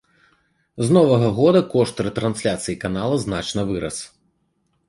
З новага года кошт рэтрансляцыі канала значна вырас.